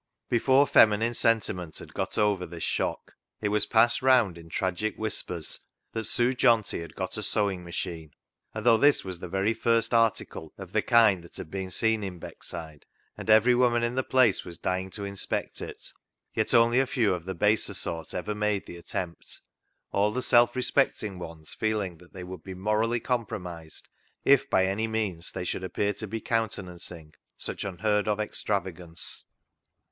Before feminine sentiment had got over this shock it was passed round in tragic whispers that Sue Johnty had got a sewing machine, and though this was the first article of the kind that had been seen in Beckside, and every woman in the place was dying to inspect it, yet only a few of the baser sort ever made the attempt, all the self respecting ones feeling that they would be morally compromised if by any means they should appear to be counten ancing such unheard of extravagance.